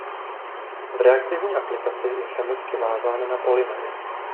V reaktivní aplikaci je chemicky vázán na polymery.